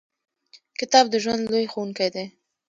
• کتاب د ژوند لوی ښوونکی دی.